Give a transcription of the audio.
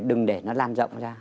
đừng để nó lan rộng ra